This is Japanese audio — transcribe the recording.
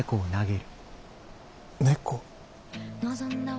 猫。